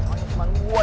sama teman gue